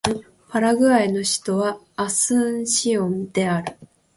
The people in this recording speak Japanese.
パラグアイの首都はアスンシオンである